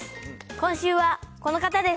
今週はこの方です。